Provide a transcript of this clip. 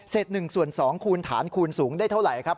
๑ส่วน๒คูณฐานคูณสูงได้เท่าไหร่ครับ